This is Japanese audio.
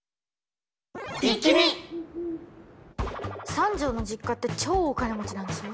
三条の実家って超お金持ちなんでしょ？